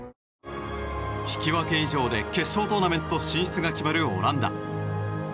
引き分け以上で決勝トーナメント進出が決まるオランダ。